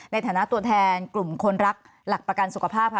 ในฐานะตัวแทนกลุ่มคนรักหลักประกันสุขภาพค่ะ